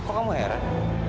kok kamu heran